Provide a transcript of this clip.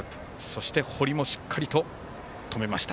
そして、堀もしっかりと止めました。